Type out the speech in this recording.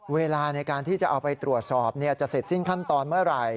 เวลาในการที่จะเอาไปตรวจสอบจะเสร็จสิ้นขั้นตอนเมื่อไหร่